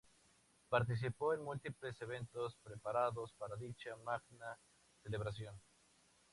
Participó en múltiples eventos preparados para dicha magna celebración.